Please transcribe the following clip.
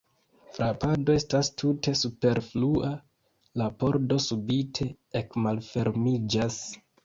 Frapado estas tute superflua, la pordo subite ekmalfermiĝas.